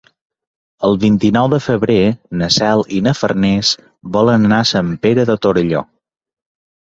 El vint-i-nou de febrer na Cel i na Farners volen anar a Sant Pere de Torelló.